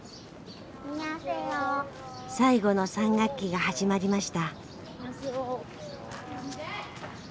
最後の３学期が始まりました。